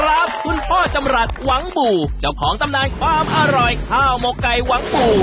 ครับคุณพ่อจำรัฐหวังบู่เจ้าของตำนานความอร่อยข้าวหมกไก่หวังปู่